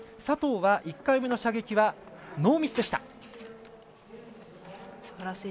佐藤は、１回目の射撃はノーミスでした。